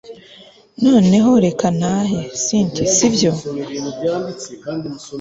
noneho reka ntahe cynti, sibyo!